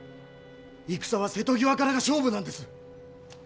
戦は瀬戸際からが勝負なんです。